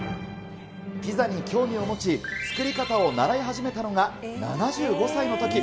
ピザに興味を持ち、作り方を習い始めたのが７５歳のとき。